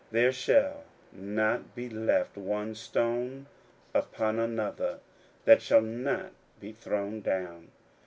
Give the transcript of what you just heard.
there shall not be left one stone upon another, that shall not be thrown down.